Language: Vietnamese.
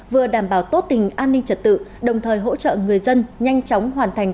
vừa đảm bảo tốt tình an ninh trật tự đồng thời hỗ trợ người dân nhanh chóng hoàn thành